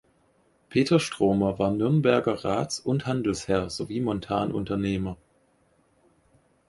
Peter Stromer war Nürnberger Rats- und Handelsherr sowie Montanunternehmer.